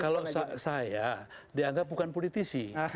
kalau saya dianggap bukan politisi